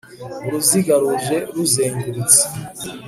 Uruziga ruje ruzengurutse